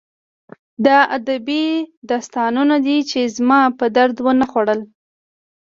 دا ادبي داستانونه دي چې زما په درد ونه خوړل